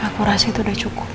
aku rasa itu udah cukup